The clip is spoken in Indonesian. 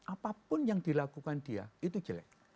apapun yang dilakukan dia itu jelek